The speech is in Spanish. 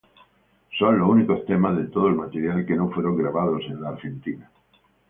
Son los únicos temas de todo el material que no fueron grabados en Argentina.